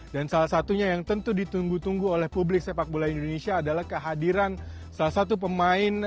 dan salah satunya yang tentu ditunggu tunggu oleh publik sepak bola indonesia adalah kehadiran salah satu pemain